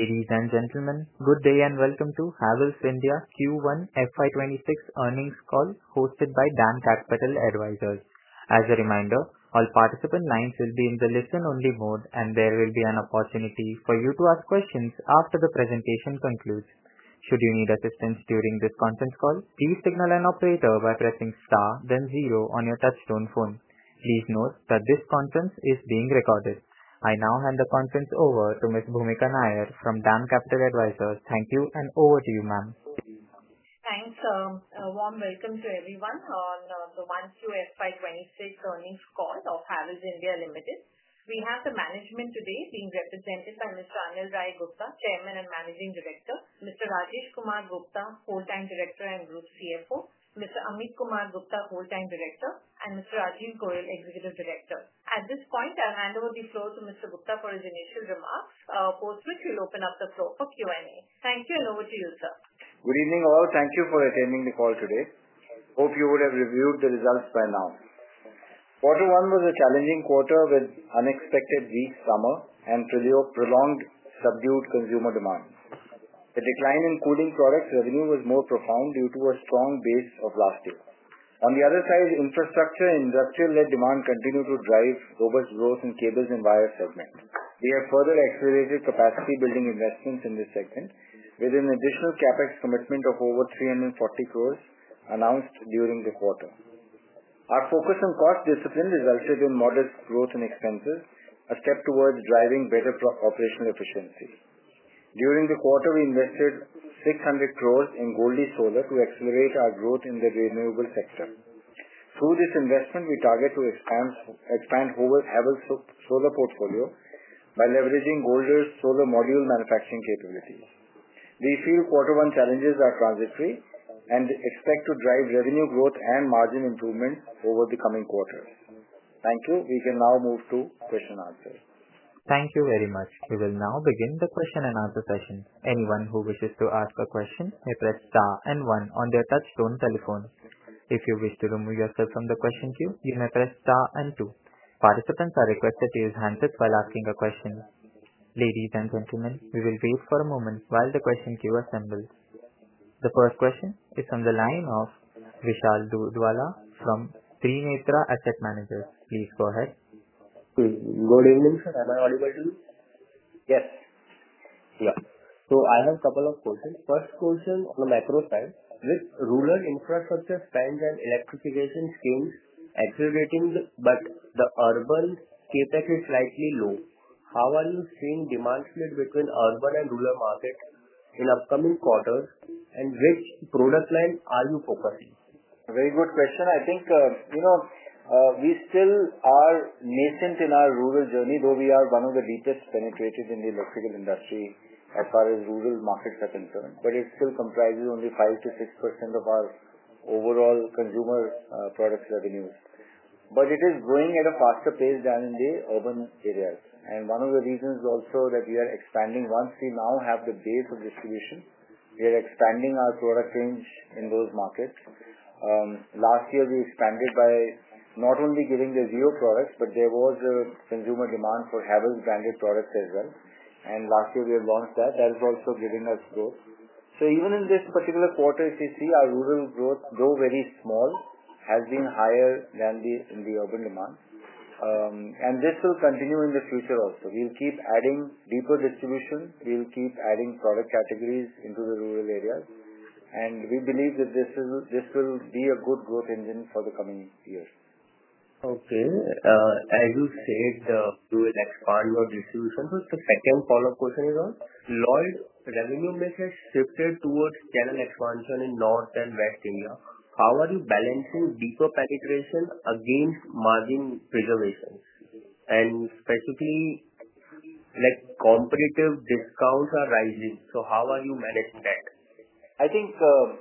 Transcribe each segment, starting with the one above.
Ladies and gentlemen, good day and welcome to Havells India Q1 FY 2026 earnings call hosted by DAM Capital Advisors. As a reminder, all participant lines will be in the listen-only mode, and there will be an opportunity for you to ask questions after the presentation concludes. Should you need assistance during this conference call, please signal an operator by pressing star, then zero on your touchstone phone. Please note that this conference is being recorded. I now hand the conference over to Ms. Bhoomika Nair from DAM Capital Advisors. Thank you, and over to you, ma'am. Thanks. A warm welcome to everyone on the 1Q FY 2026 earnings call of Havells India Limited. We have the management today being represented by Mr. Anil Rai Gupta, Chairman and Managing Director, Mr. Rajesh Kumar Gupta, Full-Time Director and Group CFO, Mr. Ameet Kumar Gupta, Full-Time Director, and Mr. Rajiv Goel, Executive Director. At this point, I'll hand over the floor to Mr. Gupta for his initial remarks, post which we'll open up the floor for Q&A. Thank you, and over to you, sir. Good evening all. Thank you for attending the call today. Hope you would have reviewed the results by now. Quarter one was a challenging quarter with unexpected weak summer and prolonged subdued consumer demand. The decline in cooling products revenue was more profound due to a strong base of last year. On the other side, infrastructure and industrial-led demand continued to drive robust growth in cables and wire segment. We have further accelerated capacity-building investments in this segment with an additional CapEx commitment of over 340 crore announced during the quarter. Our focus on cost discipline resulted in modest growth in expenses, a step towards driving better operational efficiency. During the quarter, we invested 600 crore in Goldi Solar to accelerate our growth in the renewable sector. Through this investment, we target to expand Havells' solar portfolio by leveraging Goldi's Solar module manufacturing capabilities. We feel quarter one challenges are transitory and expect to drive revenue growth and margin improvement over the coming quarter. Thank you. We can now move to question and answer. Thank you very much. We will now begin the question and answer session. Anyone who wishes to ask a question may press star and one on their touchstone telephone. If you wish to remove yourself from the question queue, you may press star and two. Participants are requested to use handsets while asking a question. Ladies and gentlemen, we will wait for a moment while the question queue assembles. The first question is from the line of Vishal Dudhwala from Trinetra Asset Managers. Please go ahead. Good evening, sir. Am I audible to you? Yes. Yeah. I have a couple of questions. First question on the macro side. With rural infrastructure spend and electrification schemes accelerating, but the urban CapEx is slightly low, how are you seeing demand split between urban and rural market in upcoming quarters, and which product line are you focusing? Very good question. I think we still are nascent in our rural journey, though we are one of the deepest penetrated in the electrical industry as far as rural markets are concerned. It still comprises only 5%-6% of our overall consumer products revenues. It is growing at a faster pace than in the urban areas. One of the reasons also that we are expanding, once we now have the base of distribution, we are expanding our product range in those markets. Last year, we expanded by not only giving the geo products, but there was a consumer demand for Havells branded products as well. Last year, we have launched that. That is also giving us growth. Even in this particular quarter, if you see, our rural growth, though very small, has been higher than in the urban demand. This will continue in the future also. We'll keep adding deeper distribution. We'll keep adding product categories into the rural areas. We believe that this will be a good growth engine for the coming years. Okay. As you said, we will expand our distribution. The second follow-up question is on Lloyd's revenue message shifted towards channel expansion in North and West India. How are you balancing deeper penetration against margin preservation? Specifically, competitive discounts are rising. How are you managing that? I think. For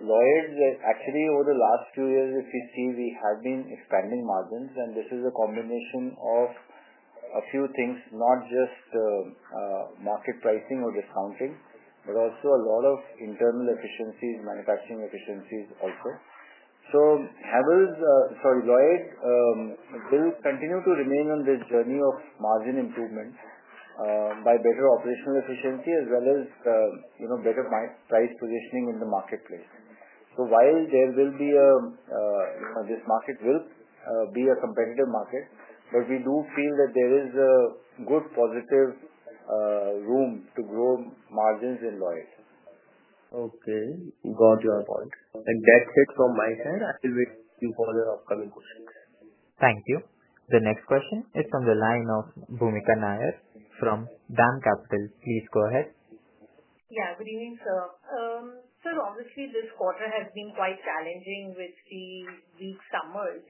Lloyd, actually, over the last few years, if you see, we have been expanding margins. And this is a combination of a few things, not just market pricing or discounting, but also a lot of internal efficiencies, manufacturing efficiencies also. So Havells, sorry, Lloyd, will continue to remain on this journey of margin improvement by better operational efficiency as well as better price positioning in the marketplace. While there will be, this market will be a competitive market, but we do feel that there is a good positive room to grow margins in Lloyd. Okay. Got your point. That's it from my side. I will wait for your upcoming questions. Thank you. The next question is from the line of Bhoomika Nair from DAM Capital. Please go ahead. Yeah. Good evening, sir. Sir, obviously, this quarter has been quite challenging with the weak summers.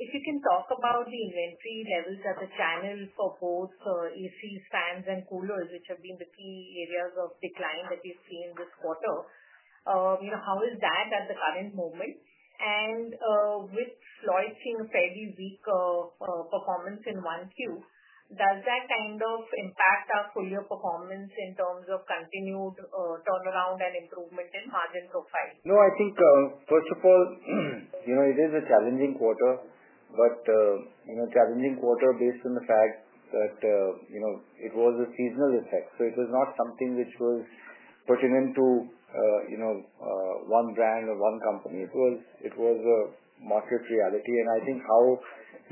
If you can talk about the inventory levels at the channel for both AC, fans, and coolers, which have been the key areas of decline that we've seen this quarter. How is that at the current moment? With Lloyd seeing a fairly weak performance in 1Q, does that kind of impact our cooler performance in terms of continued turnaround and improvement in margin profile? No, I think, first of all, it is a challenging quarter, but a challenging quarter based on the fact that it was a seasonal effect. It was not something which was pertinent to one brand or one company. It was a market reality. I think how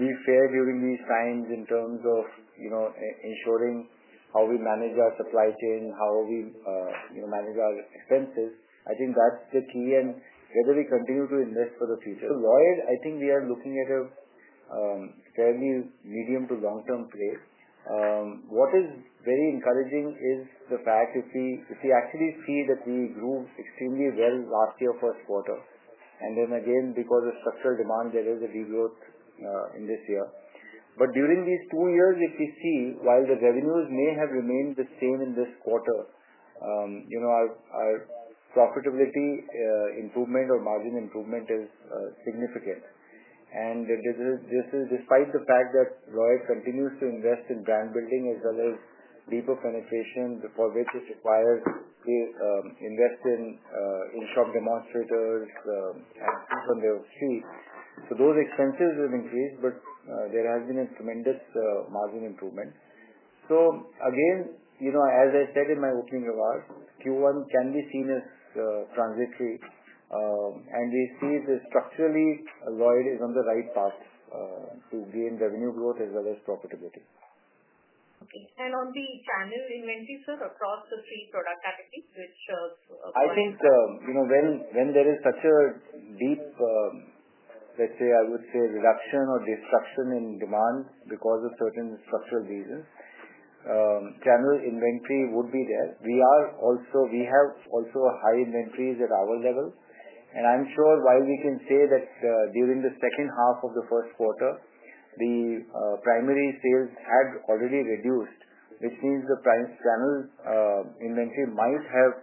we fare during these times in terms of ensuring how we manage our supply chain, how we manage our expenses, I think that's the key. Whether we continue to invest for the future, Lloyd, I think we are looking at a fairly medium to long-term play. What is very encouraging is the fact if we actually see that we grew extremely well last year first quarter, and then again, because of structural demand, there is a regrowth in this year. During these two years, if you see, while the revenues may have remained the same in this quarter, our profitability improvement or margin improvement is significant. This is despite the fact that Lloyd continues to invest in brand building as well as deeper penetration, for which it requires they invest in in-shop demonstrators and people on the street. Those expenses have increased, but there has been a tremendous margin improvement. Again, as I said in my opening remarks, Q1 can be seen as transitory. We see that structurally, Lloyd is on the right path to gain revenue growth as well as profitability. Okay. On the channel inventory, sir, across the three product categories, which. I think when there is such a deep, let's say, I would say, reduction or destruction in demand because of certain structural reasons, channel inventory would be there. We have also high inventories at our level. I'm sure while we can say that during the second half of the first quarter, the primary sales had already reduced, which means the channel inventory might have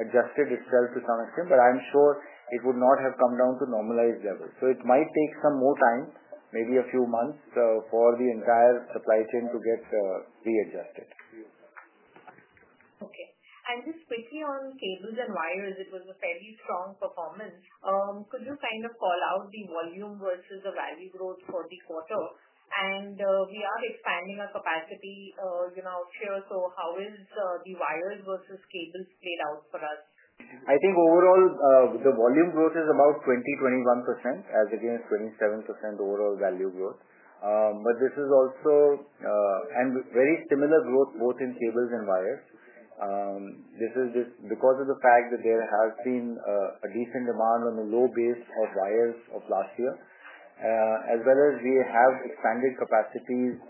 adjusted itself to some extent, but I'm sure it would not have come down to normalized levels. It might take some more time, maybe a few months, for the entire supply chain to get readjusted. Okay. Just quickly on cables and wires, it was a fairly strong performance. Could you kind of call out the volume versus the value growth for the quarter? We are expanding our capacity out here. How has the wires versus cables played out for us? I think overall, the volume growth is about 20%, 21%, as it is 27% overall value growth. This is also very similar growth both in cables and wires. This is because of the fact that there has been a decent demand on the low base of wires of last year, as well as we have expanded capacities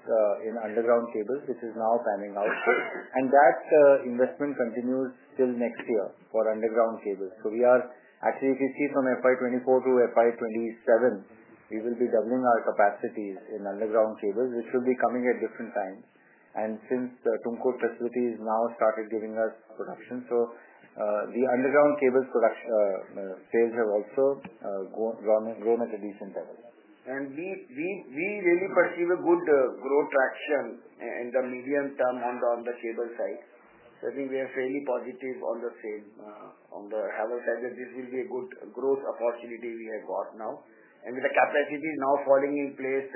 in underground cables, which is now panning out. That investment continues till next year for underground cables. If you see from FY 2024 to FY 2027, we will be doubling our capacities in underground cables, which will be coming at different times. Since the Tumkur facilities now started giving us production, the underground cables sales have also grown at a decent level. We really perceive a good growth traction in the medium term on the cable side. I think we are fairly positive on the Havells side that this will be a good growth opportunity we have got now. With the capacity now falling in place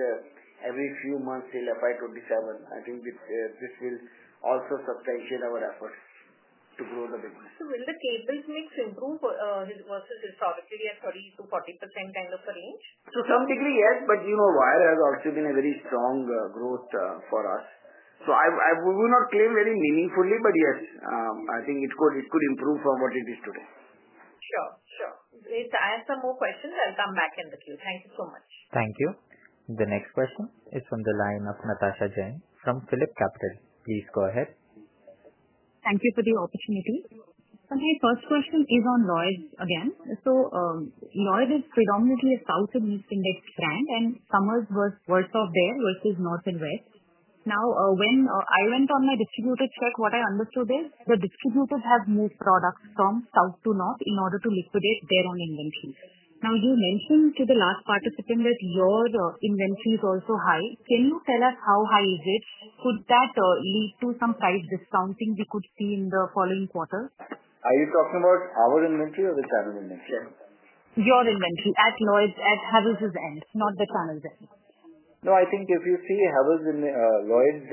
every few months till FY 2027, I think this will also substantiate our efforts to grow the business. Will the cables mix improve versus historically at 30%-40% kind of a range? To some degree, yes. But wire has also been a very strong growth for us. So I will not claim very meaningfully, but yes, I think it could improve from what it is today. Sure. Sure. If I have some more questions, I'll come back in the queue. Thank you so much. Thank you. The next question is from the line of Natasha Jain from PhillipCapital. Please go ahead. Thank you for the opportunity. My first question is on Lloyd again. Lloyd is predominantly a South and East India brand, and summer was worse off there versus North and West. Now, when I went on my distributor check, what I understood is the distributors have moved products from South to North in order to liquidate their own inventories. You mentioned to the last participant that your inventory is also high. Can you tell us how high is it? Could that lead to some price discounting we could see in the following quarters? Are you talking about our inventory or the channel inventory? Your inventory at Lloyd at Havells's end, not the channel's end. No, I think if you see Lloyd's,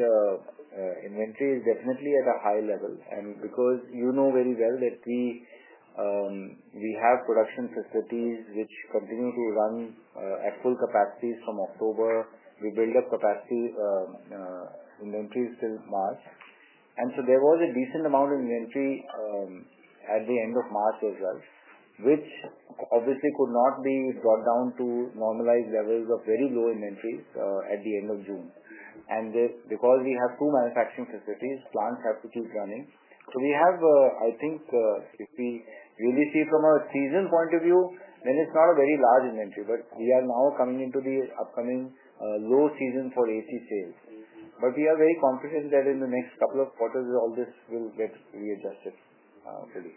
inventory is definitely at a high level. You know very well that we have production facilities which continue to run at full capacity from October. We build up capacity inventory till March, and so there was a decent amount of inventory at the end of March as well, which obviously could not be brought down to normalized levels of very low inventory at the end of June. Because we have two manufacturing facilities, plants have to keep running. I think if we really see from a season point of view, then it's not a very large inventory. We are now coming into the upcoming low season for AC sales. We are very confident that in the next couple of quarters, all this will get readjusted fully.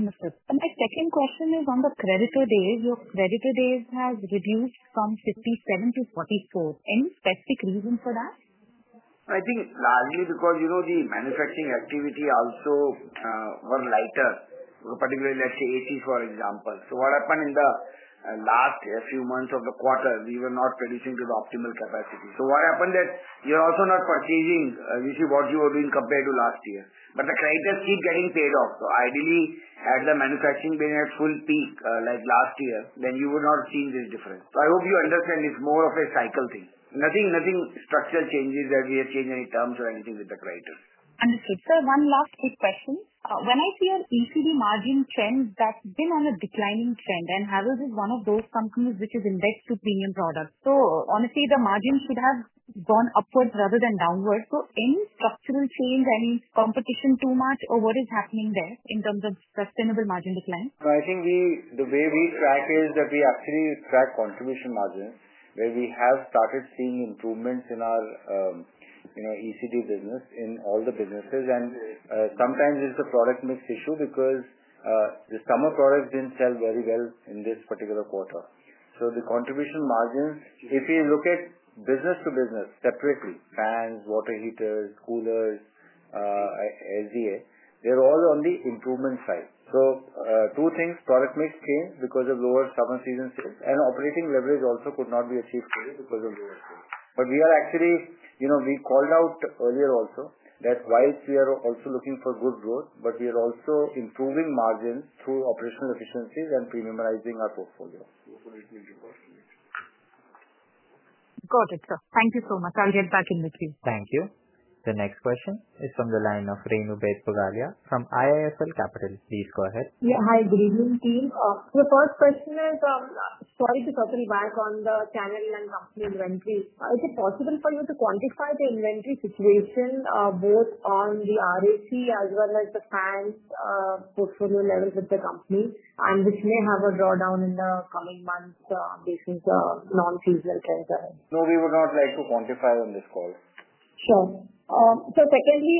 Understood. My second question is on the creditor days. Your creditor days have reduced from 57% to 44%. Any specific reason for that? I think largely because the manufacturing activity also were lighter, particularly, let's say, ACs, for example. What happened in the last few months of the quarter, we were not producing to the optimal capacity. What happened is that you're also not purchasing, as you see what you were doing compared to last year. The creditors keep getting paid off. Ideally, had the manufacturing been at full peak like last year, then you would not have seen this difference. I hope you understand it's more of a cycle thing. Nothing structural changes that we have changed any terms or anything with the creditors. Understood. Sir, one last quick question. When I see an ECD margin trend that's been on a declining trend, and Havells is one of those companies which is indexed to premium products, so honestly, the margin should have gone upwards rather than downwards. Any structural change, any competition too much, or what is happening there in terms of sustainable margin decline? I think the way we track is that we actually track contribution margins, where we have started seeing improvements in our ECD business in all the businesses. Sometimes it's the product mix issue because the summer products didn't sell very well in this particular quarter. The contribution margins, if you look at business to business separately, fans, water heaters, coolers, LDA, they're all on the improvement side. Two things, product mix change because of lower summer season sales, and operating leverage also could not be achieved fully because of lower sales. We are actually, we called out earlier also that while we are also looking for good growth, we are also improving margins through operational efficiencies and premiumizing our portfolio. Got it, sir. Thank you so much. I'll get back in with you. Thank you. The next question is from the line of Renu Baid Pugalia from IIFL Capital. Please go ahead. Yeah. Hi. Good evening, team. The first question is, sorry to circle back on the channel and company inventory. Is it possible for you to quantify the inventory situation both on the RAC as well as the fans. Portfolio levels with the company, and which may have a drawdown in the coming months based on the non-seasonal trends? No, we would not like to quantify on this call. Sure. Secondly,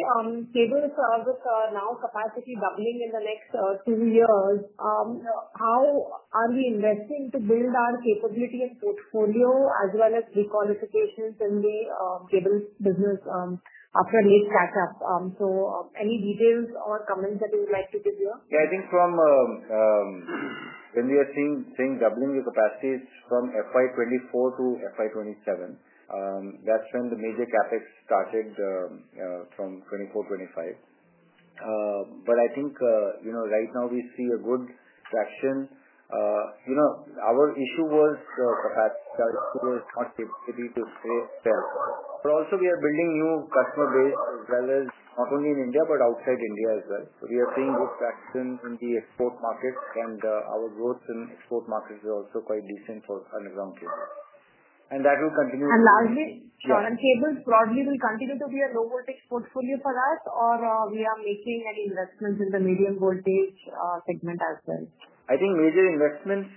cables with now capacity doubling in the next two years, how are we investing to build our capability and portfolio as well as requalifications in the cables business? After a late catch-up, any details or comments that you would like to give here? Yeah. I think from when we are seeing doubling the capacities from FY 2024 to FY 2027, that's when the major CapEx started. From 2024, 2025. I think right now we see a good traction. Our issue was capacity was not capable to sell. We are building new customer base as well as not only in India but outside India as well. We are seeing good traction in the export market, and our growth in export markets is also quite decent for underground cables. That will continue to be. Largely, cables broadly will continue to be a low-voltage portfolio for us, or are we making any investments in the medium voltage segment as well? I think major investments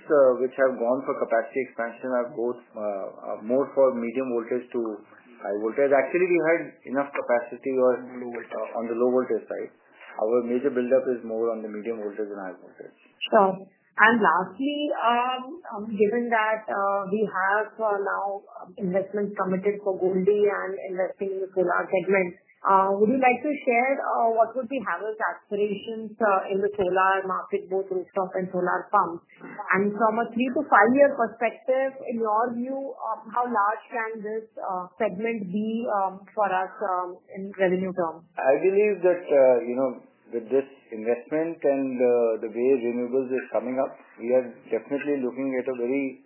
which have gone for capacity expansion are both more for medium voltage to high voltage. Actually, we had enough capacity on the low voltage side. Our major buildup is more on the medium voltage and high voltage. Sure. Lastly, given that we have now investments committed for Goldi and investing in the solar segment, would you like to share what would be Havells' aspirations in the solar market, both rooftop and solar pumps? From a three to five-year perspective, in your view, how large can this segment be for us in revenue terms? I believe that. With this investment and the way renewables is coming up, we are definitely looking at a very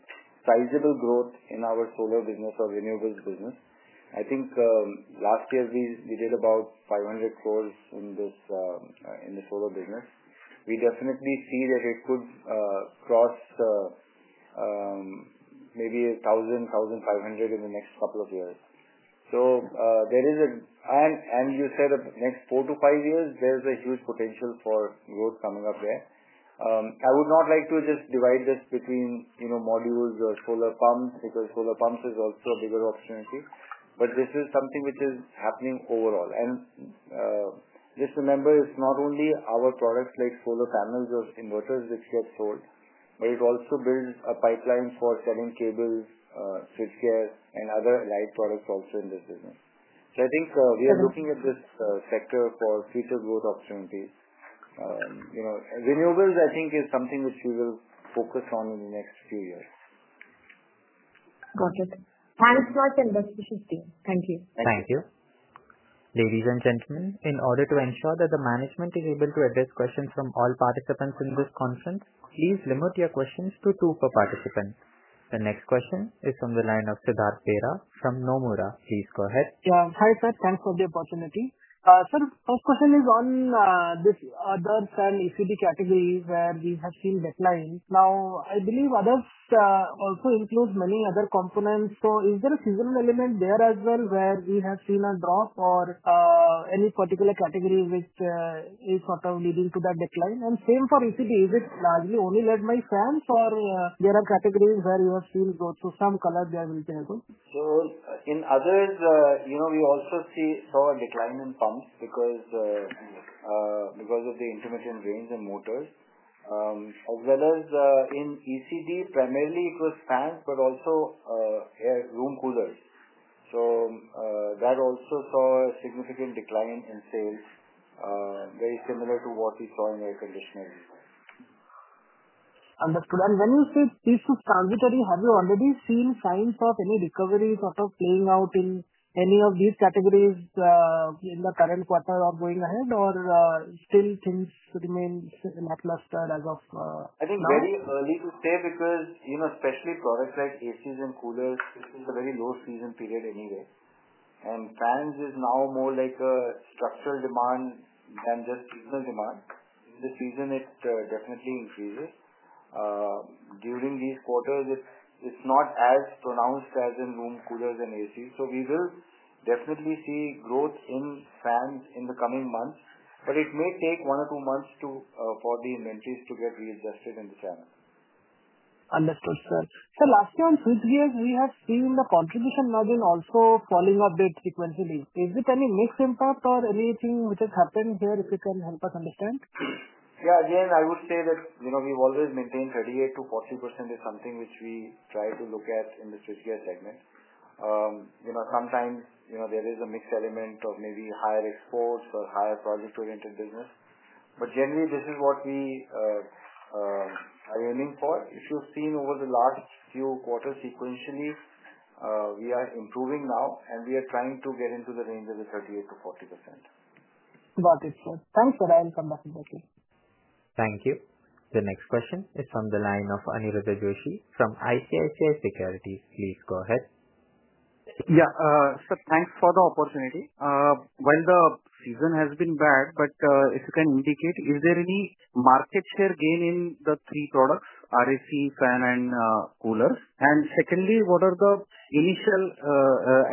sizable growth in our solar business or renewables business. I think last year we did about 500 crore in the solar business. We definitely see that it could cross maybe 1,000-1,500 crore in the next couple of years. There is a, and you said the next four to five years, there's a huge potential for growth coming up there. I would not like to just divide this between modules or solar pumps because solar pumps is also a bigger opportunity. This is something which is happening overall. Just remember, it's not only our products like solar panels or inverters which get sold, but it also builds a pipeline for selling cables, switchgear, and other lighting products also in this business. I think we are looking at this sector for future growth opportunities. Renewables, I think, is something which we will focus on in the next few years. Got it. Thanks for your investigation. Thank you. Thank you. Ladies and gentlemen, in order to ensure that the management is able to address questions from all participants in this conference, please limit your questions to two per participant. The next question is from the line of Siddhartha Bera from Nomura. Please go ahead. Yeah. Hi, sir. Thanks for the opportunity. Sir, the first question is on this other than ECD categories where we have seen decline. Now, I believe others also include many other components. Is there a seasonal element there as well where we have seen a drop or any particular category which is sort of leading to that decline? Same for ECD. Is it largely only led by fans, or are there categories where you have seen growth? Some color there will be as well. In others, we also saw a decline in pumps because of the intermittent rains and motors. As well as in ECD, primarily it was fans, but also room coolers. That also saw a significant decline in sales. Very similar to what we saw in air conditioning. Understood. When you say this was transitory, have you already seen signs of any recovery sort of playing out in any of these categories in the current quarter or going ahead, or still things remain not lustered as of now? I think very early to say because especially products like ACs and coolers, this is a very low season period anyway. Fans is now more like a structural demand than just seasonal demand. In the season, it definitely increases. During these quarters, it's not as pronounced as in room coolers and ACs. We will definitely see growth in fans in the coming months, but it may take one or two months for the inventories to get readjusted in the channel. Understood, sir. Sir, last year on switchgear, we have seen the contribution margin also falling a bit sequentially. Is it any mix impact or anything which has happened here if you can help us understand? Yeah. Again, I would say that we've always maintained 38%-40% is something which we try to look at in the switchgear segment. Sometimes there is a mixed element of maybe higher exports or higher project-oriented business. Generally, this is what we are aiming for. If you've seen over the last few quarters sequentially, we are improving now, and we are trying to get into the range of the 38%-40%. Got it, sir. Thanks, sir. I'll come back with you. Thank you. The next question is from the line of Aniruddha Joshi from ICICI Securities. Please go ahead. Yeah. Sir, thanks for the opportunity. While the season has been bad, if you can indicate, is there any market share gain in the three products, RAC, fan, and coolers? Secondly, what are the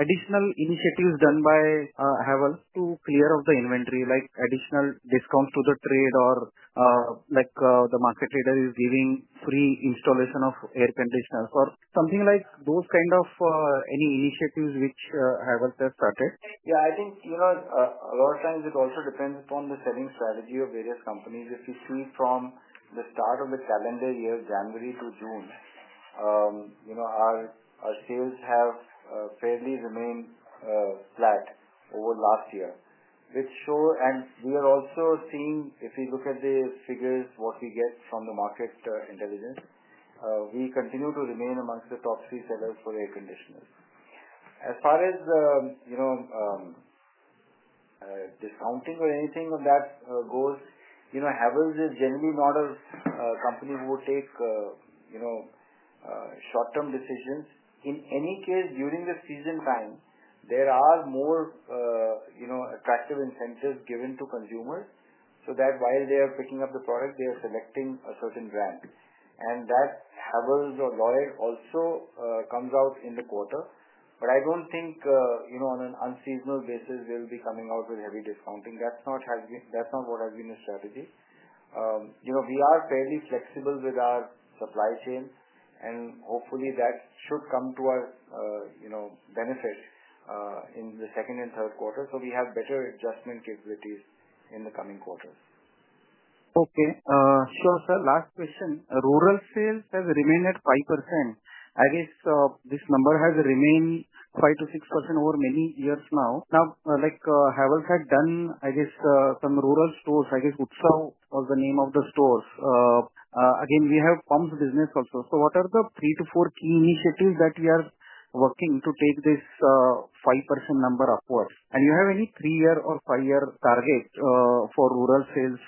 additional initiatives done by Havells to clear off the inventory, like additional discounts to the trade, or the market trader is giving free installation of air conditioners or something like those kind of any initiatives which Havells has started? Yeah. I think a lot of times it also depends upon the selling strategy of various companies. If you see from the start of the calendar year, January to June, our sales have fairly remained flat over last year, which shows, and we are also seeing if we look at the figures, what we get from the market intelligence, we continue to remain amongst the top three sellers for air conditioners. As far as discounting or anything on that goes, Havells is generally not a company who would take short-term decisions. In any case, during the season time, there are more attractive incentives given to consumers so that while they are picking up the product, they are selecting a certain brand, and that Havells or Lloyd also comes out in the quarter. I do not think on an unseasonal basis, they will be coming out with heavy discounting. That is not what has been the strategy. We are fairly flexible with our supply chain, and hopefully that should come to our benefit in the second and third quarters. We have better adjustment capabilities in the coming quarters. Okay. Sure, sir. Last question. Rural sales have remained at 5%. I guess this number has remained 5%-6% over many years now. Now, Havells had done, I guess, some rural stores. I guess Usta was the name of the stores. Again, we have pumps business also. What are the three to four key initiatives that we are working to take this 5% number upwards? Do you have any three-year or five-year target for rural sales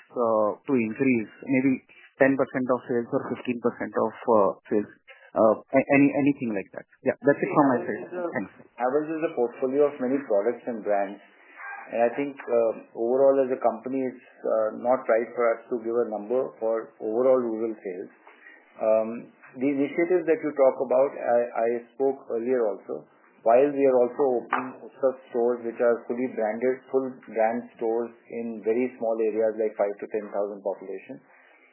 to increase, maybe 10% of sales or 15% of sales? Anything like that? Yeah. That's it from my side. Thanks. Havells is a portfolio of many products and brands. I think overall, as a company, it's not right for us to give a number for overall rural sales. The initiatives that you talk about, I spoke earlier also, while we are also opening Usta stores which are fully branded, full-brand stores in very small areas like 5,000-10,000 population,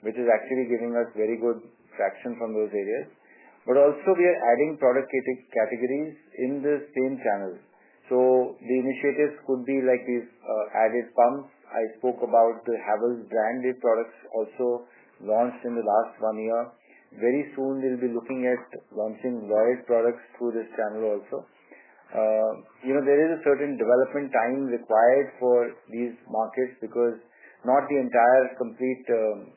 which is actually giving us very good traction from those areas. We are adding product categories in the same channels. The initiatives could be like these added pumps. I spoke about the Havells branded products also launched in the last one year. Very soon, we'll be looking at launching Lloyd products through this channel also. There is a certain development time required for these markets because not the entire complete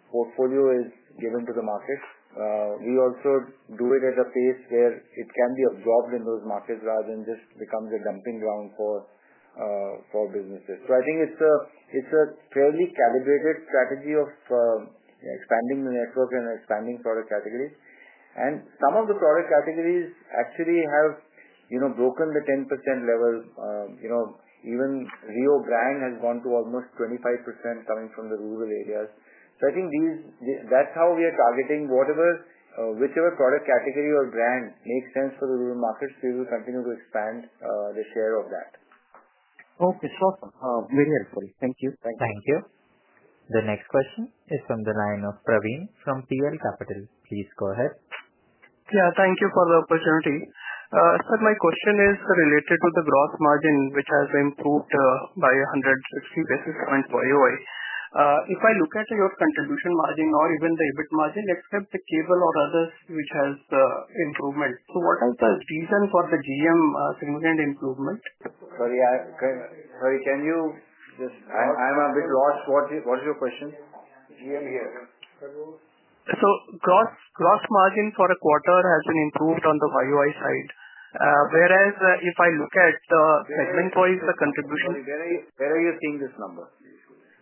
portfolio is given to the market. We also do it at a pace where it can be absorbed in those markets rather than just becomes a dumping ground for businesses. I think it's a fairly calibrated strategy of expanding the network and expanding product categories. Some of the product categories actually have broken the 10% level. Even Rio brand has gone to almost 25% coming from the rural areas. I think that's how we are targeting whichever product category or brand makes sense for the rural markets. We will continue to expand the share of that. Okay. Sure. Very helpful. Thank you. Thank you. Thank you. The next question is from the line of Praveen from PL Capital. Please go ahead. Yeah. Thank you for the opportunity. Sir, my question is related to the gross margin which has improved by 160 basis points for UI. If I look at your contribution margin or even the EBIT margin, except the cable or others which has improvement, what is the reason for the GM significant improvement? Sorry, can you just—I am a bit lost. What is your question? GM here. Gross margin for a quarter has been improved on the UI side. Whereas if I look at the segment-wise contribution— Where are you seeing this number?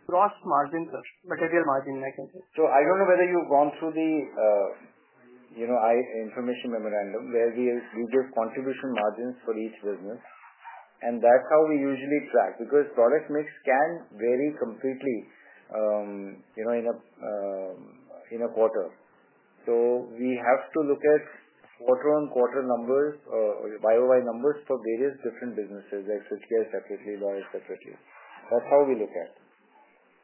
Gross margin, sir. Material margin, I can say. I don't know whether you've gone through the information memorandum where we give contribution margins for each business. That's how we usually track because product mix can vary completely in a quarter. We have to look at quarter-on-quarter numbers or YoY numbers for various different businesses, like switchgear separately, Lloyd separately. That's how we look at it.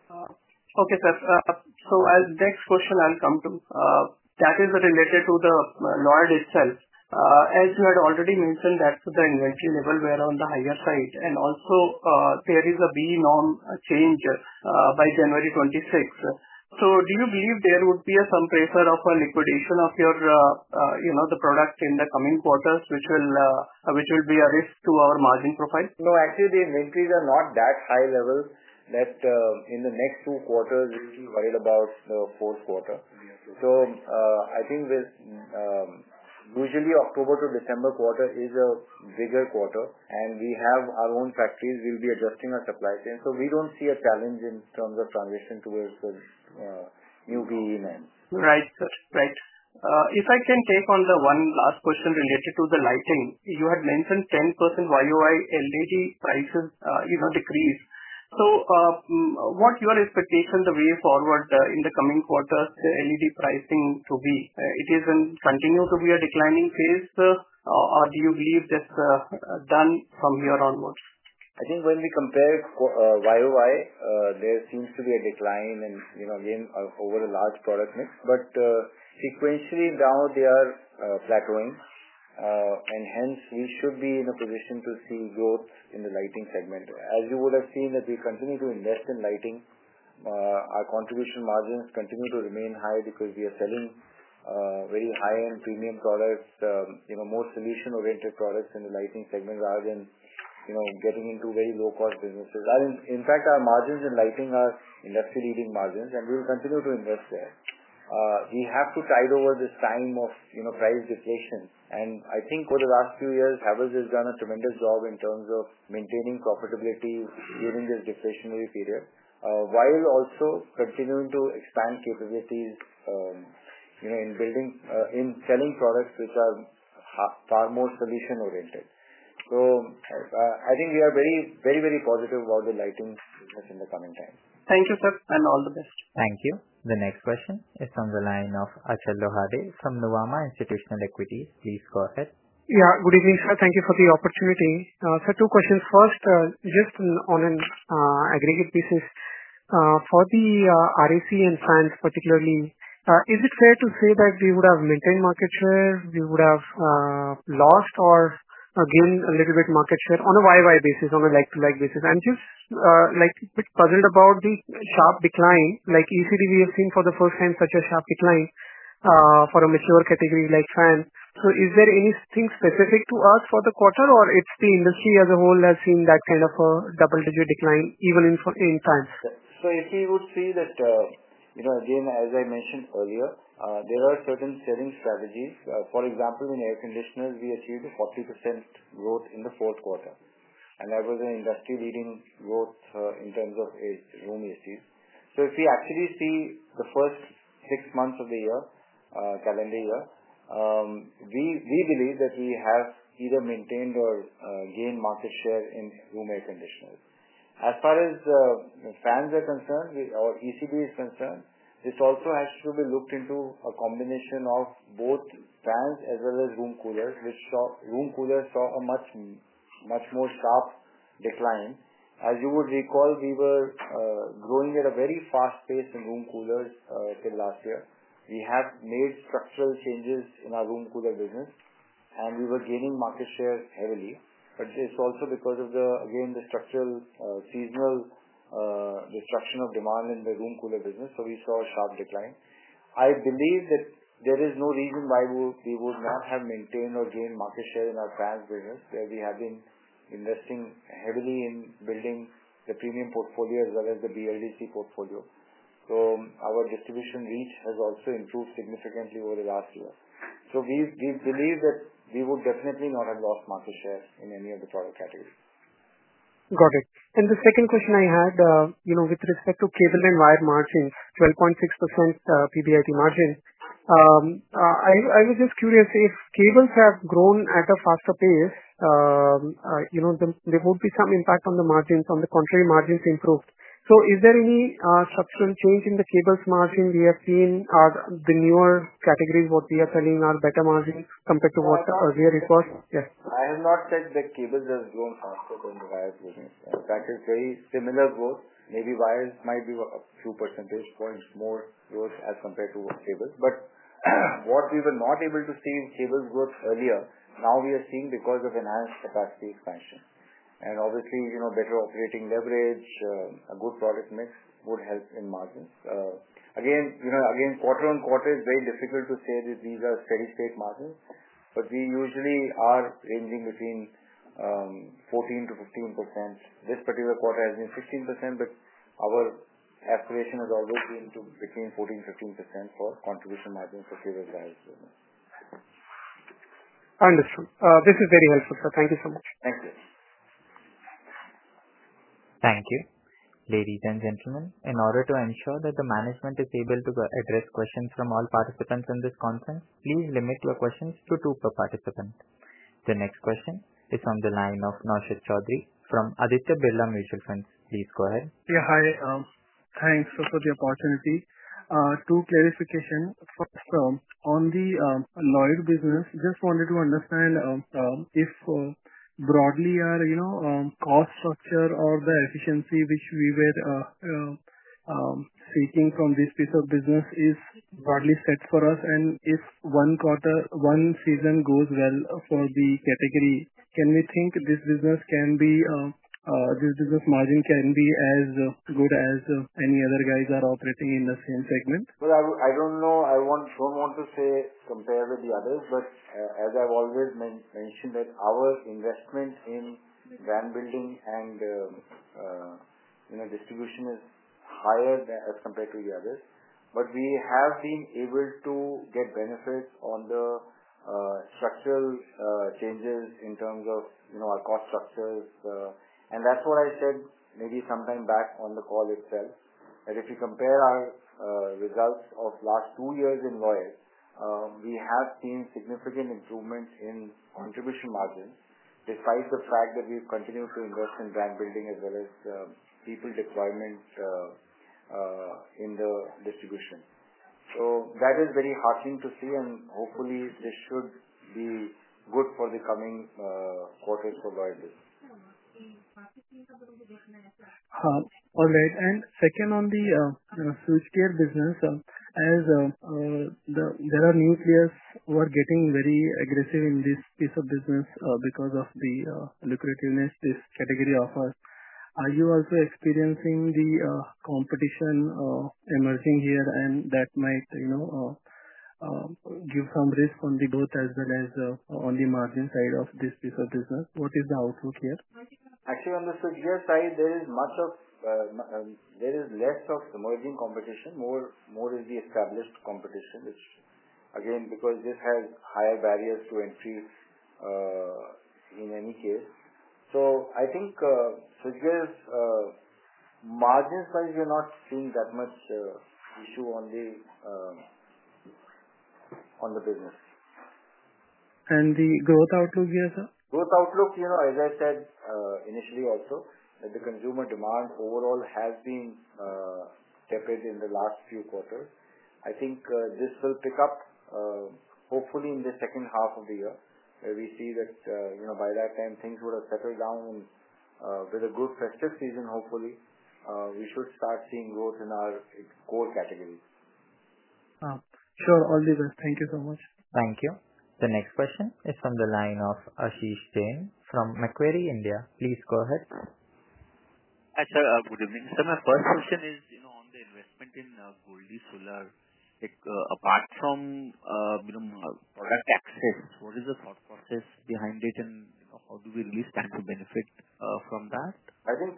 Okay, sir. The next question I'll come to, that is related to the Lloyd itself. As you had already mentioned, that the inventory level were on the higher side. Also, there is a BEE norm change by January 2026. Do you believe there would be some pressure of a liquidation of your product in the coming quarters, which will be a risk to our margin profile? No, actually, the inventories are not that high level that in the next two quarters, we'll be worried about the fourth quarter. I think usually, October to December quarter is a bigger quarter. We have our own factories, we'll be adjusting our supply chain. We don't see a challenge in terms of transition towards the new BEE norms. Right, sir. Right. If I can take on the one last question related to the lighting, you had mentioned 10% YoY LED prices decrease. What's your expectation the way forward in the coming quarters? The LED pricing to be—is it continuing to be a declining phase, or do you believe that's done from here onwards? I think when we compare year on year, there seems to be a decline in, again, over a large product mix. However, sequentially now, they are plateauing. Hence, we should be in a position to see growth in the lighting segment. As you would have seen, as we continue to invest in lighting, our contribution margins continue to remain high because we are selling very high-end premium products, more solution-oriented products in the lighting segment rather than getting into very low-cost businesses. In fact, our margins in lighting are industry-leading margins, and we will continue to invest there. We have to tide over this time of price deflation. I think over the last few years, Havells has done a tremendous job in terms of maintaining profitability during this deflationary period, while also continuing to expand capabilities in selling products which are far more solution-oriented. I think we are very, very positive about the lighting business in the coming time. Thank you, sir. All the best. Thank you. The next question is from the line of Achal Lohade from Nuvama Institutional Equities. Please go ahead. Yeah. Good evening, sir. Thank you for the opportunity. Sir, two questions. First, just on an aggregate basis, for the RAC and fans, particularly, is it fair to say that we would have maintained market share, we would have lost, or gained a little bit market share on a year-on-year basis, on a like-to-like basis? I'm just a bit puzzled about the sharp decline. Like ECD, we have seen for the first time such a sharp decline for a mature category like fan. Is there anything specific to us for the quarter, or is it the industry as a whole that has seen that kind of a double-digit decline, even in fans? If we would see that, again, as I mentioned earlier, there are certain selling strategies. For example, in air conditioners, we achieved a 40% growth in the fourth quarter. That was an industry-leading growth in terms of room ACs. If we actually see the first six months of the year, calendar year, we believe that we have either maintained or gained market share in room air conditioners. As far as fans are concerned or ECD is concerned, this also has to be looked into as a combination of both fans as well as room coolers, which room coolers saw a much more sharp decline. As you would recall, we were growing at a very fast pace in room coolers till last year. We have made structural changes in our room cooler business, and we were gaining market share heavily. It is also because of the, again, the structural seasonal destruction of demand in the room cooler business, so we saw a sharp decline. I believe that there is no reason why we would not have maintained or gained market share in our fans business, where we have been investing heavily in building the premium portfolio as well as the BLDC portfolio. Our distribution reach has also improved significantly over the last year. We believe that we would definitely not have lost market share in any of the product categories. Got it. The second question I had with respect to cable and wire margins, 12.6% PBIT margin. I was just curious if cables have grown at a faster pace. There would be some impact on the margins, on the contrary, margins improved. Is there any structural change in the cables margin we have seen? Are the newer categories, what we are selling, at better margins compared to what earlier it was? Yes. I have not said that cables have grown faster than the wires business. In fact, it's very similar growth. Maybe wires might be a few percentage points more growth as compared to cables. What we were not able to see in cables growth earlier, now we are seeing because of enhanced capacity expansion. Obviously, better operating leverage, a good product mix would help in margins. Again, quarter-on-quarter is very difficult to say that these are steady-state margins, but we usually are ranging between 14%-15%. This particular quarter has been 15%, but our aspiration has always been between 14% and 15% for contribution margin for cable and wire business. Understood. This is very helpful, sir. Thank you so much. Thank you. Thank you. Ladies and gentlemen, in order to ensure that the management is able to address questions from all participants in this conference, please limit your questions to two per participant. The next question is from the line of Naushad Chaudhary from Aditya Birla Mutual Fund. Please go ahead. Yeah. Hi. Thanks for the opportunity. Two clarifications. First, on the Lloyd business, just wanted to understand if broadly our cost structure or the efficiency which we were seeking from this piece of business is broadly set for us. And if one season goes well for the category, can we think this business can be, this business margin can be as good as any other guys are operating in the same segment? I don't know. I don't want to say compare with the others, but as I've always mentioned, our investment in brand building and distribution is higher as compared to the others. We have been able to get benefits on the structural changes in terms of our cost structures. That's what I said maybe sometime back on the call itself, that if you compare our results of the last two years in Lloyd, we have seen significant improvements in contribution margins despite the fact that we continue to invest in brand building as well as people deployment in the distribution. That is very heartening to see, and hopefully, this should be good for the coming quarters for Lloyd business. All right. Second, on the switchgear business. As there are new players who are getting very aggressive in this piece of business because of the lucrativeness this category offers, are you also experiencing the competition emerging here, and that might give some risk on the growth as well as on the margin side of this piece of business? What is the outlook here? Actually, on the switchgear side, there is much of. There is less of emerging competition. More is the established competition, which, again, because this has higher barriers to entry. In any case. So I think switchgears. Margins-wise, we are not seeing that much issue on the. Business. The growth outlook here, sir? Growth outlook, as I said initially also, that the consumer demand overall has been tepid in the last few quarters. I think this will pick up. Hopefully, in the second half of the year, where we see that by that time, things would have settled down. With a good festive season, hopefully, we should start seeing growth in our core categories. Sure. All the best. Thank you so much. Thank you. The next question is from the line of Ashish Jain from Macquarie India. Please go ahead. Hi, sir. Good evening, sir. My first question is on the investment in Goldi Solar. Apart from product access, what is the thought process behind it, and how do we really stand to benefit from that? I think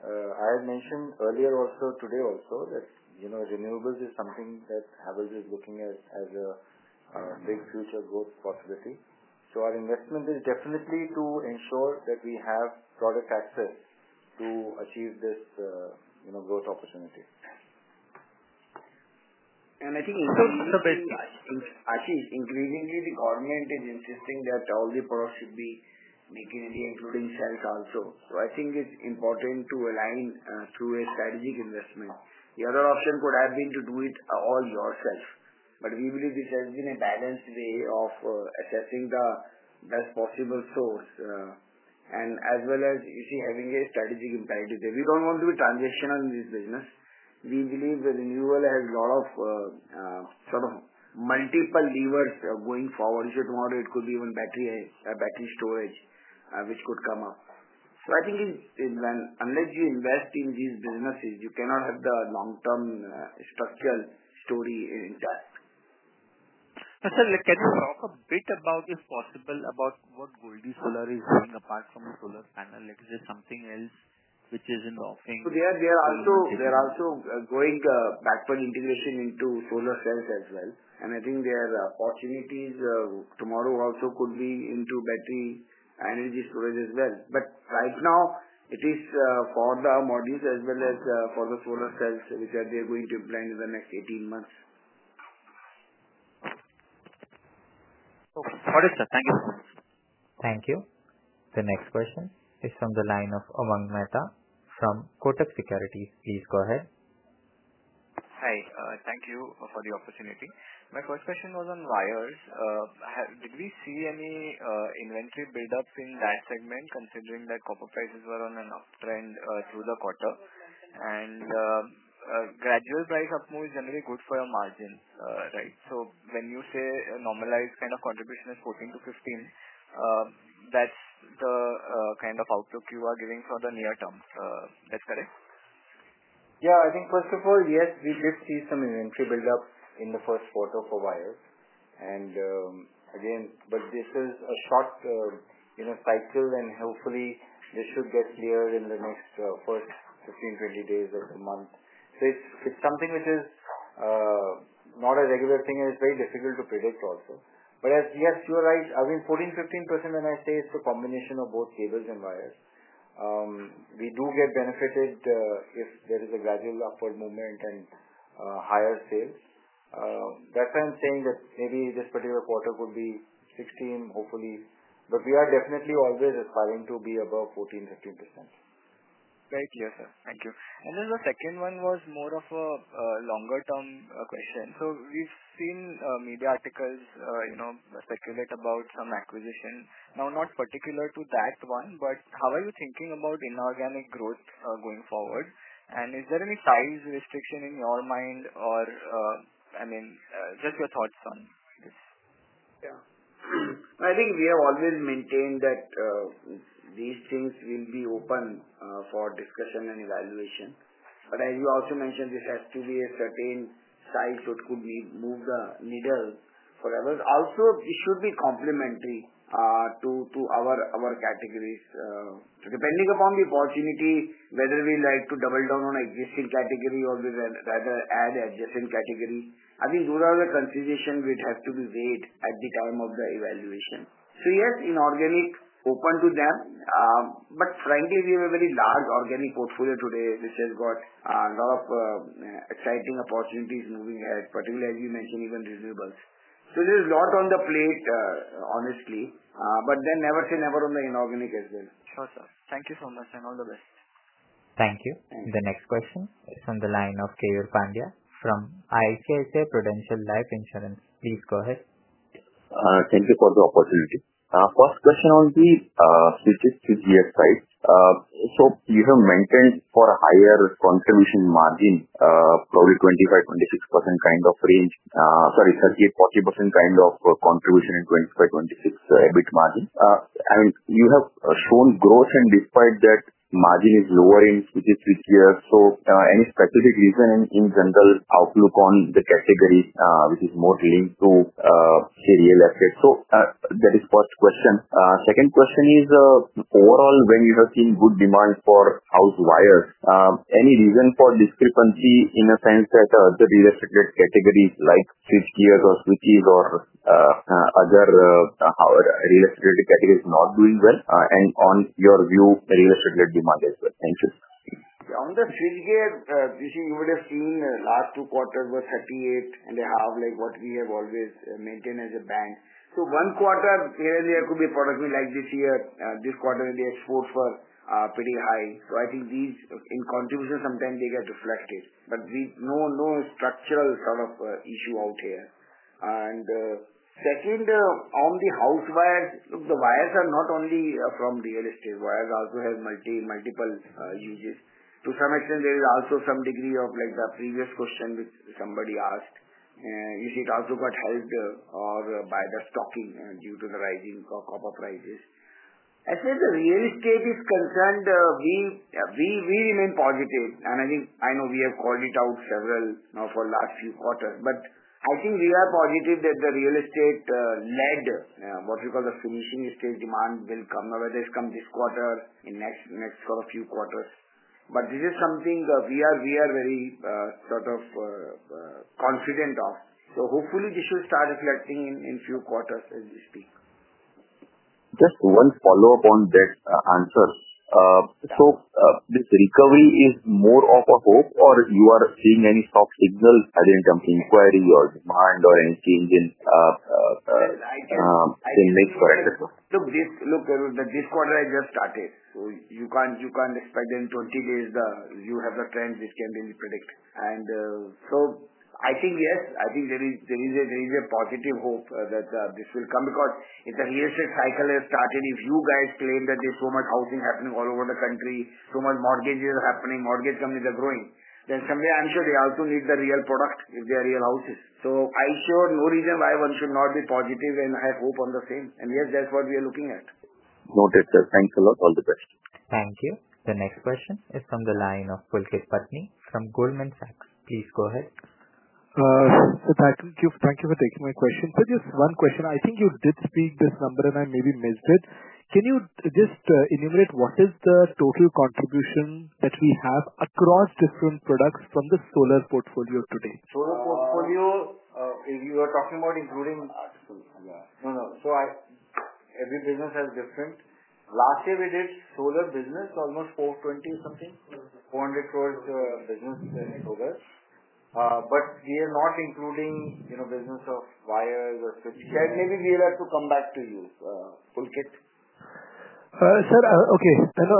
I had mentioned earlier also today also that renewables is something that Havells is looking at as a big future growth possibility. Our investment is definitely to ensure that we have product access to achieve this growth opportunity. I think. So. Ashish, increasingly, the government is insisting that all the products should be made in India, including shells also. I think it's important to align through a strategic investment. The other option could have been to do it all yourself. We believe this has been a balanced way of assessing the best possible source. As well as, you see, having a strategic impact here. We do not want to be transitional in this business. We believe the renewable has a lot of, sort of, multiple levers going forward. You see, tomorrow, it could be even battery storage, which could come up. I think unless you invest in these businesses, you cannot have the long-term structural story intact. Sir, can you talk a bit about, if possible, about what Goldi Solar is doing apart from solar panel? Is there something else which is in the offering? They are also going backward integration into solar cells as well. I think their opportunities tomorrow also could be into battery energy storage as well. Right now, it is for the modules as well as for the solar cells, which they are going to implement in the next 18 months. Okay. All right, sir. Thank you. Thank you. The next question is from the line of Umang Mehta from Kotak Securities. Please go ahead. Hi. Thank you for the opportunity. My first question was on wires. Did we see any inventory buildup in that segment, considering that copper prices were on an uptrend through the quarter? Gradual price up moves generally good for your margins, right? When you say normalized kind of contribution is 14%-15%. That's the kind of outlook you are giving for the near term. That's correct? Yeah. I think, first of all, yes, we did see some inventory buildup in the first quarter for wires. Again, this is a short cycle, and hopefully, this should get clear in the next first 15-20 days of the month. It is something which is not a regular thing and it is very difficult to predict also. Yes, you are right. I mean, 14%-15%, when I say it is a combination of both cables and wires. We do get benefited if there is a gradual upward movement and higher sales. That is why I am saying that maybe this particular quarter could be 16%, hopefully. We are definitely always aspiring to be above 14%-15%. Great. Yes, sir. Thank you. The second one was more of a longer-term question. We have seen media articles circulate about some acquisition. Now, not particular to that one, but how are you thinking about inorganic growth going forward? Is there any size restriction in your mind or, I mean, just your thoughts on this? Yeah. I think we have always maintained that. These things will be open for discussion and evaluation. As you also mentioned, this has to be a certain size so it could move the needle forever. Also, it should be complementary to our categories. Depending upon the opportunity, whether we like to double down on an existing category or we rather add an adjacent category, I think those are the considerations which have to be weighed at the time of the evaluation. Yes, inorganic, open to them. Frankly, we have a very large organic portfolio today, which has got a lot of exciting opportunities moving ahead, particularly, as you mentioned, even renewables. There is a lot on the plate, honestly. Never say never on the inorganic as well. Sure, sir. Thank you so much, and all the best. Thank you. The next question is from the line of Keyur Pandya from ICICI Prudential Life Insurance. Please go ahead. Thank you for the opportunity. First question on the switchgear side. You have maintained for a higher contribution margin, probably 25%-26% kind of range. Sorry, 38%-40% kind of contribution and 25%-26% EBIT margin. I mean, you have shown growth, and despite that, margin is lower in switchgear. Any specific reason in general outlook on the category which is more linked to real estate? That is the first question. Second question is, overall, when you have seen good demand for house wires, any reason for discrepancy in the sense that other real estate-related categories like switchgears or switches or other real estate-related categories not doing well? And on your view, real estate-related demand as well. Thank you. On the switchgear, you see, you would have seen last two quarters were 38% and a half, like what we have always maintained as a bank. One quarter here and there could be productive, like this year, this quarter, the exports were pretty high. I think these contributions sometimes they get reflected. We know no structural sort of issue out here. Second, on the house wires, look, the wires are not only from real estate. Wires also have multiple uses. To some extent, there is also some degree of the previous question which somebody asked. You see, it also got helped by the stocking due to the rising copper prices. As far as the real estate is concerned, we remain positive. I think I know we have called it out several for the last few quarters. I think we are positive that the real estate-led, what we call the finishing stage demand will come, whether it has come this quarter, in the next sort of few quarters. This is something we are very sort of confident of. Hopefully, this should start reflecting in a few quarters as we speak. Just one follow-up on that answer. Is this recovery more of a hope, or are you seeing any soft signals as in inquiry or demand or any change in, I can make correct? Look, this quarter has just started. You cannot expect that in 20 days, you have the trend which can be predicted. I think, yes, I think there is a positive hope that this will come because if the real estate cycle has started, if you guys claim that there is so much housing happening all over the country, so many mortgages are happening, mortgage companies are growing, then someday, I am sure they also need the real product if they are real houses. I see no reason why one should not be positive, and I have hope on the same. Yes, that is what we are looking at. Noted, sir. Thanks a lot. All the best. Thank you. The next question is from the line of Pulkit Patni from Goldman Sachs. Please go ahead. Sir, thank you for taking my question. Just one question. I think you did speak this number, and I maybe missed it. Can you just enumerate what is the total contribution that we have across different products from the solar portfolio today? Solar portfolio, if you are talking about including. Yeah. No, no. Every business has different. Last year, we did solar business, almost 420 crore, 400 crore business in solar. We are not including business of wires or switchgear. Maybe we will have to come back to you, Pulkit. Sir, okay.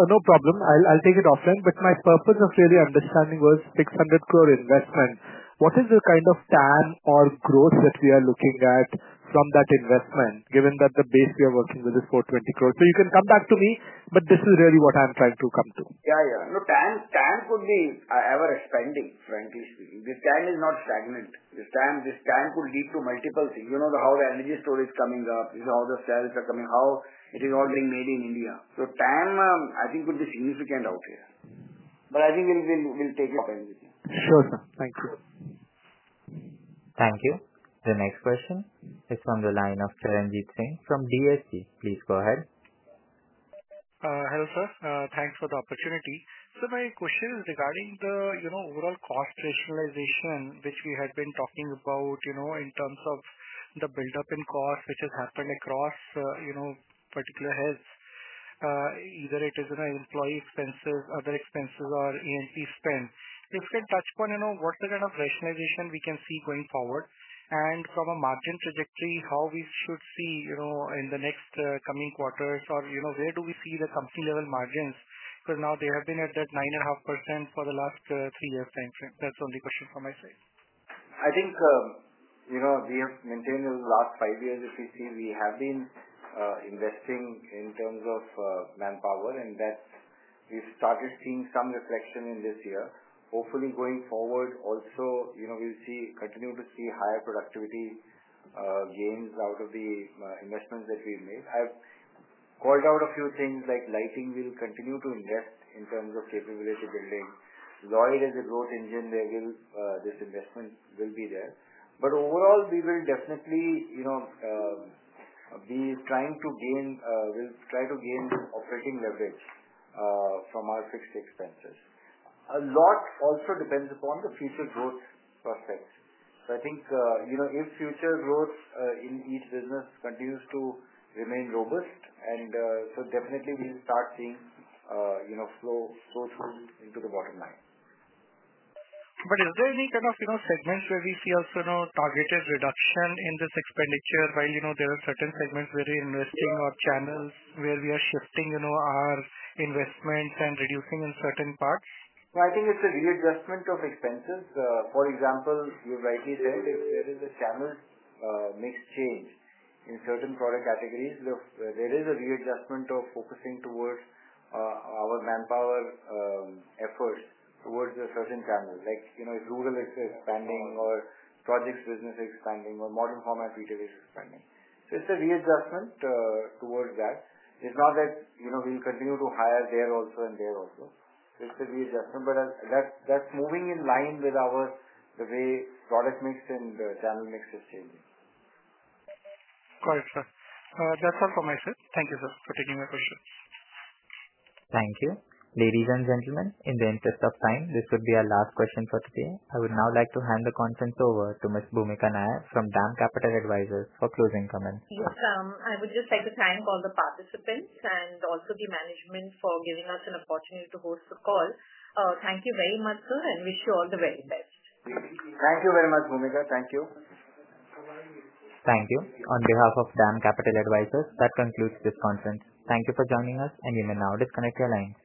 No problem. I'll take it offline. My purpose of really understanding was 600 crore investment. What is the kind of TAM or growth that we are looking at from that investment, given that the base we are working with is 420 crore? You can come back to me, this is really what I'm trying to come to. Yeah, yeah. No, TAM could be ever-expanding, frankly speaking. This TAM is not stagnant. This TAM could lead to multiple things. You know how the energy storage is coming up, how the cells are coming, how it is all being made in India. So TAM, I think, could be significant out here. But I think we'll take it offline with you. Sure, sir. Thank you. Thank you. The next question is from the line of Charanjit Singh from DSP. Please go ahead. Hello, sir. Thanks for the opportunity. My question is regarding the overall cost rationalization, which we had been talking about in terms of the buildup in cost, which has happened across particular heads. Either it is employee expenses, other expenses, or A&P spend. If you can touch upon what's the kind of rationalization we can see going forward, and from a margin trajectory, how we should see in the next coming quarters, or where do we see the company-level margins? Because now they have been at that 9.5% for the last three years' time frame. That's the only question from my side. I think. We have maintained in the last five years, if we see, we have been investing in terms of manpower, and we've started seeing some reflection in this year. Hopefully, going forward, also, we'll continue to see higher productivity. Gains out of the investments that we've made. I've called out a few things like Lighting will continue to invest in terms of capability building. Lloyd is a growth engine. This investment will be there. Overall, we will definitely be trying to gain, we'll try to gain operating leverage from our fixed expenses. A lot also depends upon the future growth prospects. I think if future growth in each business continues to remain robust, definitely, we'll start seeing flow through into the bottom line. Is there any kind of segments where we see also targeted reduction in this expenditure, while there are certain segments where we are investing or channels where we are shifting our investments and reducing in certain parts? I think it's a readjustment of expenses. For example, you've rightly said, if there is a channel mix change in certain product categories, there is a readjustment of focusing towards. Our manpower efforts towards a certain channel, like if rural is expanding or projects business is expanding or modern format retail is expanding. It's a readjustment towards that. It's not that we'll continue to hire there also and there also. It's a readjustment. That's moving in line with the way product mix and channel mix is changing. Got it, sir. That's all from my side. Thank you, sir, for taking my question. Thank you. Ladies and gentlemen, in the interest of time, this would be our last question for today. I would now like to hand the conference over to Ms. Bhoomika Nair from DAM Capital Advisors Limited for closing comments. Yes, I would just like to thank all the participants and also the management for giving us an opportunity to host the call. Thank you very much, sir, and wish you all the very best. Thank you very much, Bhoomika. Thank you. Thank you. On behalf of DAM Capital Advisors Limited, that concludes this conference. Thank you for joining us, and you may now disconnect your lines.